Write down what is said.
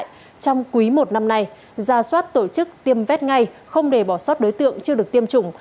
trong quý i năm nay ra soát tổ chức tiêm vét ngay không để bỏ sót đối tượng chưa được tiêm chủng